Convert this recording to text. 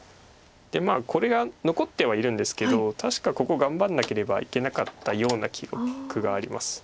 でこれが残ってはいるんですけど確かここ頑張らなければいけなかったような記憶があります。